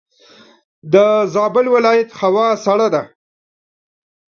دزابل ولایت هوا سړه ده.